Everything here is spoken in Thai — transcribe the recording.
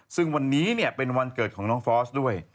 ซึ่งวันนี้เป็นวันเกิดของน้องฟอสด้วย